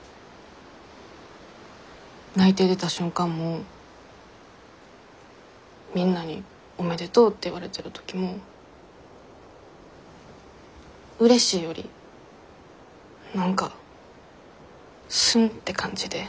内定出た瞬間もみんなにおめでとうって言われてる時もうれしいより何かすんって感じで。